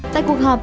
tại cuộc họp